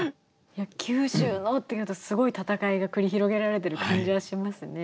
「急襲の」っていうとすごい戦いが繰り広げられてる感じはしますね。